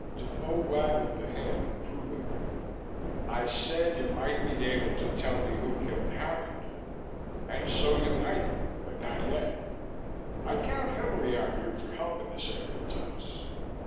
Defoe waggled the hand reprovingly. "I said you might be able to tell me who killed Hammond. And so you might but not yet. I count heavily on you for help in this area, Thomas.